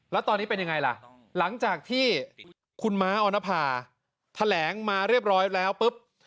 แล้วตอนนี้เป็นยังไงล่ะหลังจากที่คุณม้าออนภาแถลงมาเรียบร้อยแล้วปุ๊บ